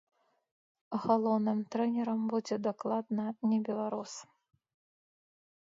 Галоўным трэнерам будзе дакладна не беларус.